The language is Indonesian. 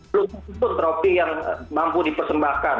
belum tentu tropi yang mampu dipersembahkan